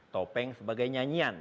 topeng sebagai nyanyian